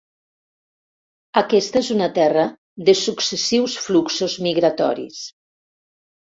Aquesta és una terra de successius fluxos migratoris.